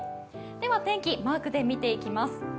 では天気、マークで見ていきます。